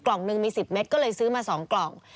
กล่องหนึ่งมี๑๐เมตรก็เลยซื้อมาสองกล่อง